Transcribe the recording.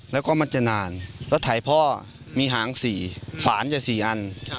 แล้วก็มันจะนานรถถ่ายพ่อมีหางสี่ฝานจะสี่อัน